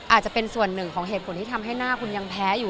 อาจจะเป็นส่วนหนึ่งของเหตุผลที่ทำให้หน้าคุณยังแพ้อยู่